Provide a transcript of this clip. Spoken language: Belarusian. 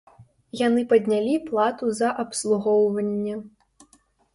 Яны паднялі плату за абслугоўванне.